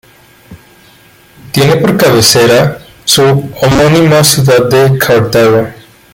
Tiene por cabecera su homónima ciudad de Cartago.